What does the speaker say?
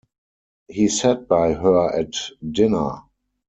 He sat by her at dinner.